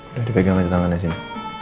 udah dipegang aja tangannya sini